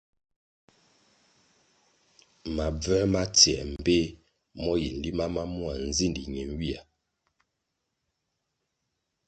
Mabvē ma tsiē mbpeh mo yi nlima ma mua nzindi nenywihya.